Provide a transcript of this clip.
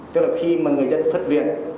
tức là khi mà người dân phất viện